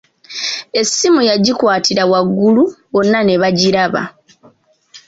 Essimu yagikwatira waggulu bonna ne bagiraba.